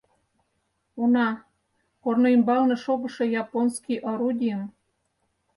Уна, корно ӱмбалне шогышо японский орудийым...